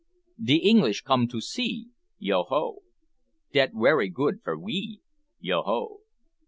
De English come to see, Yo ho! Dat werry good for we, Yo ho!